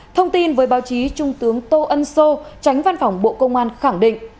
thông tin với báo chí trung tướng tô ân sô tránh văn phòng bộ công an khẳng định